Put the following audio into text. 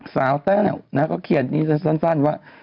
สาวแต้วเนี่ยก็เขียนนี่สั้นว่า